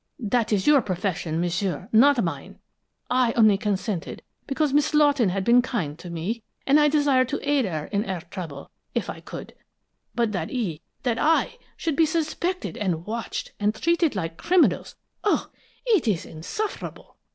That is your profession, m'sieu, not mine; I only consented because Miss Lawton had been kind to me, and I desired to aid her in her trouble, if I could. But that he that I should be suspected and watched, and treated like criminals, oh, it is insufferable.